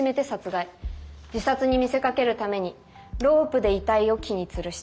自殺に見せかけるためにロープで遺体を木につるした。